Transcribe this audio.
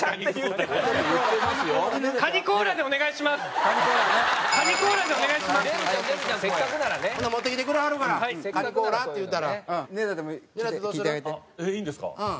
えっいいんですか？